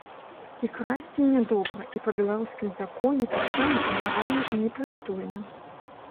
І красці не добра, і па беларускім законе таксама амаральна і непрыстойна.